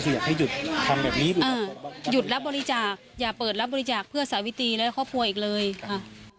คืออยากให้หยุดทำแบบนี้อ่าหยุดรับบริจาคอย่าเปิดรับบริจาคเพื่อสาวิตรีและครอบครัวอีกเลยค่ะ